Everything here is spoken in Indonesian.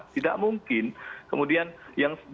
tidak mungkin kemudian yang